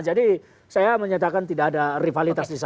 jadi saya menyatakan tidak ada rivalitas di sana